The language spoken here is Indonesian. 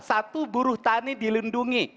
satu buruh tani dilindungi